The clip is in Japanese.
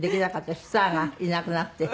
スターがいなくなって。